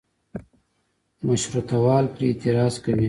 مشروطه وال پرې اعتراض کوي.